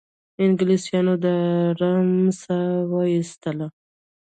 انګلیسیانو د آرامۍ ساه وایستله.